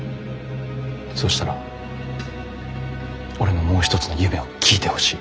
そうしたら俺のもう一つの夢を聞いてほしい。